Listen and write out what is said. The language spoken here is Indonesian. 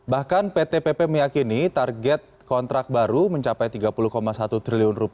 bahkan pt pp meyakini target kontrak baru mencapai rp tiga puluh satu triliun